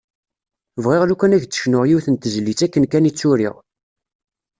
Bɣiɣ lukan ad k-d-cnuɣ yiwet n tezlit akken kan i tt-uriɣ.